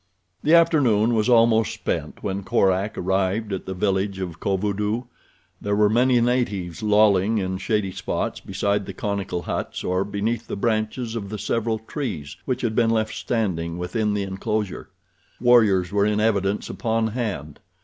The afternoon was almost spent when Korak arrived at the village of Kovudoo. There were many natives lolling in shady spots beside the conical huts or beneath the branches of the several trees which had been left standing within the enclosure. Warriors were in evidence upon hand.